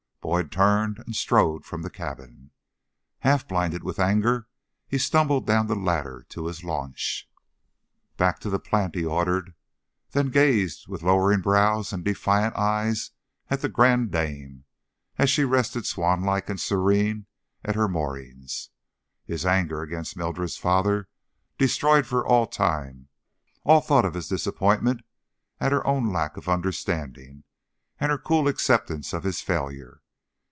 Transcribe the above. Boyd turned and strode from the cabin. Half blinded with anger, he stumbled down the ladder to his launch. "Back to the plant!" he ordered, then gazed with lowering brows and defiant eyes at The Grande Dame as she rested swanlike and serene at her moorings. His anger against Mildred's father destroyed for the time all thought of his disappointment at her own lack of understanding and her cool acceptance of his failure.